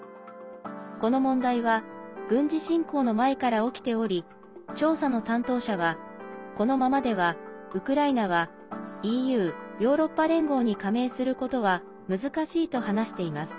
この問題は軍事侵攻の前から起きており調査の担当者はこのままではウクライナはＥＵ＝ヨーロッパ連合に加盟することは難しいと話しています。